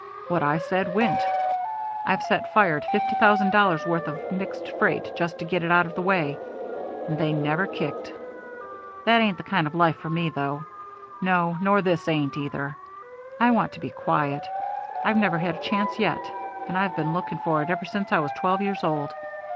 'What I said went. I've set fire to fifty thousand dollars' worth of mixed freight just to get it out of the way and they never kicked. That ain't the kind of life for me, though. No, nor this ain't, either. I want to be quiet. I've never had a chance yet, and I've been looking for it ever since I was twelve years old.